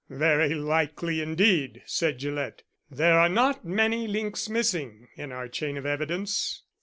"Very likely indeed," said Gillett. "There are not many links missing in our chain of evidence."